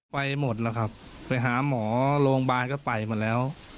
ไปหมดแล้วครับไปหาหมอโรงพยาบาลก็ไปหมดแล้ว